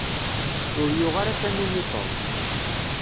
Ur yuɣ ara tanumi Tom.